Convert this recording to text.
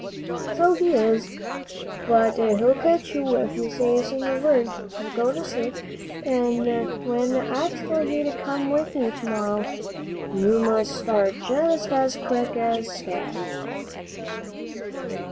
"So he is; but he'll catch you if you say a single word. Now go to sleep, an' when I tell you to come with me to morrow, you must start just as quick as scat."